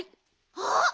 あっ！